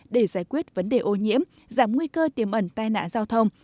để giải quyết vấn đề ô nhiễm giảm nguy cơ tiềm ẩn tai nạn giao thông